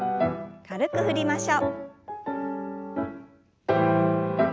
軽く振りましょう。